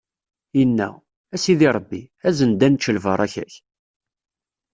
Inna: A Sidi Ṛebbi, azen-d ad nečč lbaṛaka-k!